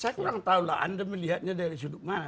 saya kurang tahulah anda melihatnya dari sudut mana